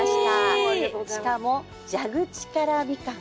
しかも蛇口からみかん。